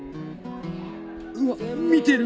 うわ見てる。